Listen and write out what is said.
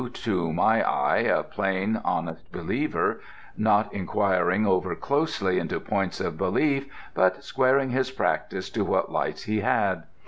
to my eye a plain, honest believer, not inquiring over closely into points of belief, but squaring his practice to what lights he had.